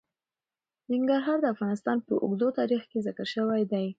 ننګرهار د افغانستان په اوږده تاریخ کې ذکر شوی دی.